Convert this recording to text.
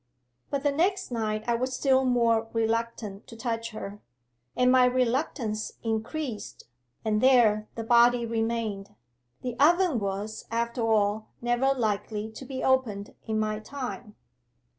'But the next night I was still more reluctant to touch her. And my reluctance increased, and there the body remained. The oven was, after all, never likely to be opened in my time.